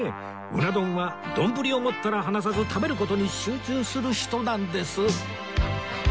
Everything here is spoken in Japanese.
鰻丼はどんぶりを持ったら離さず食べる事に集中する人なんです